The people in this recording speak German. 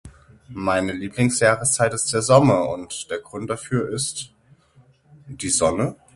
Meine Lieblingsjahreszeit ist der Sommer und der Grund dafür ist, die Sonne?